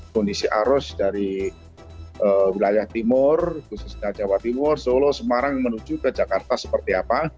kondisi arus dari wilayah timur khususnya jawa timur solo semarang menuju ke jakarta seperti apa